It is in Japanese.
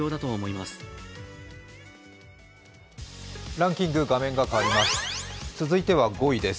ランキング、画面が変わります。